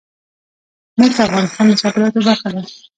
مس د افغانستان د صادراتو برخه ده.